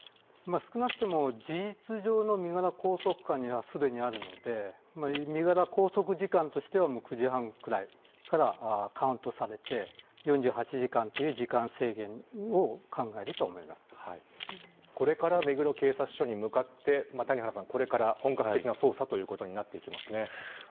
少なくとも事実上の身柄拘束下には、すでにあるので身柄拘束時間としては９時半ぐらいからカウントされて４８時間という時間制限をこれから目黒警察署に向かって本格的な捜査ということになってきます。